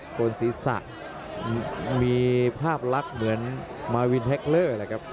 โดยเป็นสีสักมีภาพลักษณ์เหมือนมาวินแท็กเลอร์นะครับ